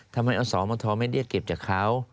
ทำไมเอาสอมเอาท้อไม่เรียกเก็บจากเขา